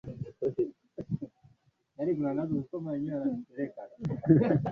za Kituruki baada ya waasi wa Kikomunisti